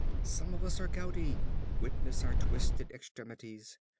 Some of us are gouty, witness our twisted extremities.